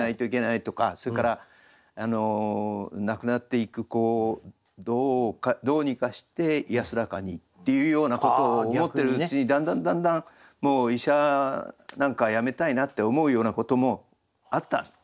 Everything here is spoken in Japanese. それから亡くなっていく子をどうにかして安らかにっていうようなことを思ってるうちにだんだんだんだんもう医者なんかやめたいなって思うようなこともあったんですね。